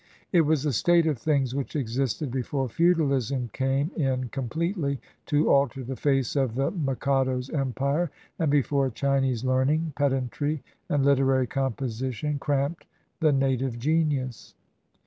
It was a state of things which existed before feudalism came in completely to alter the face of the mikado's empire, and before Chinese learning, pedantry, and literary composition cramped the native genius.